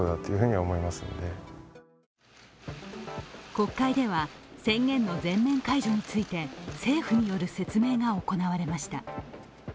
国会では宣言の全面解除について政府による説明が行われました。